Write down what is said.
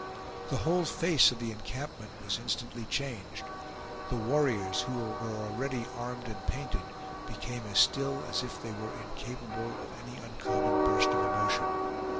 The whole face of the encampment was instantly changed. The warriors, who were already armed and painted, became as still as if they were incapable of any uncommon burst of emotion.